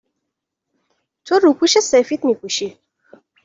.تو روپوش سفید می پوشی